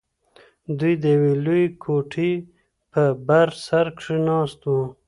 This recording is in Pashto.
دوى د يوې لويې کوټې په بر سر کښې ناست وو.